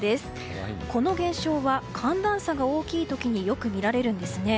この現象は、寒暖差が大きい時によく見られるんですね。